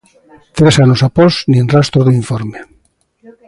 Tres anos após, nin rastro do informe.